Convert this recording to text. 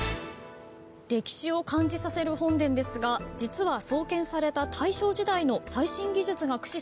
歴史を感じさせる本殿ですが実は創建された大正時代の最新技術が駆使されているんです。